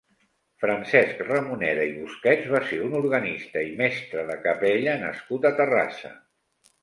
Francesc Ramoneda i Busquets va ser un organista i mestre de capella nascut a Terrassa.